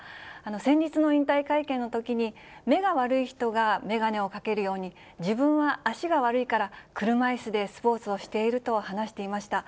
先日の引退会見のときに、目が悪い人が眼鏡をかけるように、自分は足が悪いから、車いすでスポーツをしていると話していました。